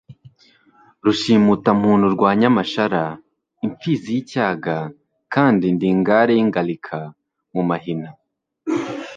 Rushimutamuntu rwa Nyamashara Imfizi y'icyaga kandi ndi ingare y'ingalika mu mahina,